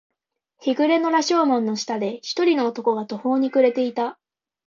日暮れの羅生門の下で、一人の男が途方に暮れていた。